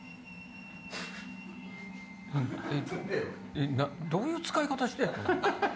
えっなどういう使い方してんの？